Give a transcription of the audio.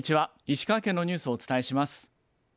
石川県のニュースをお伝えします。